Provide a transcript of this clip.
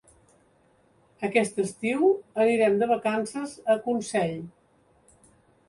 Aquest estiu anirem de vacances a Consell.